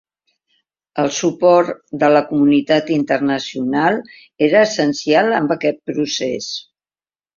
El suport de la comunitat internacional era essencial en aquest procés.